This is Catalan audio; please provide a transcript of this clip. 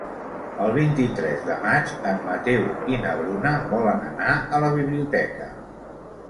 El vint-i-tres de maig en Mateu i na Bruna volen anar a la biblioteca.